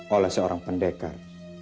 oleh seorang pendekar